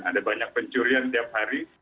ada banyak pencurian setiap hari